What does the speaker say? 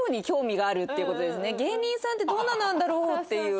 芸人さんってどんななんだろう？っていう。